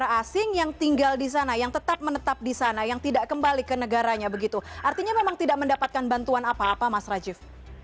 negara asing yang tinggal di sana yang tetap menetap di sana yang tidak kembali ke negaranya begitu artinya memang tidak mendapatkan bantuan apa apa mas rajif